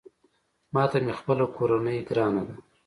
ماته مې خپله کورنۍ ګرانه ده